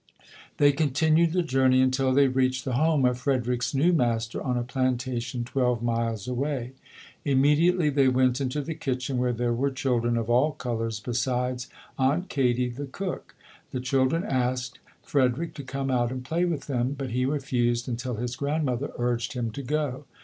They continued the journey until they reached the home of Frederick's new master on a plantation twelve miles away. Immediately they went into the kitchen where there were children of all colors, besides Aunt Katie, the cook. The children asked Frederick to come out and play with them but he refused until his grandmother urged him to go.